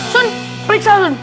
sun periksa sun